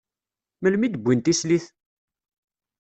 Melmi i d-wwin tislit?